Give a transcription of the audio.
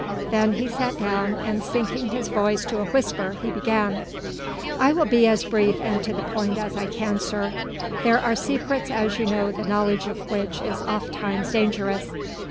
Then he sat down and sinking his voice to a whisper he began: "I will be as brief and to the point as I can, sir. There are secrets as you know the knowledge of which is oft times dangerous.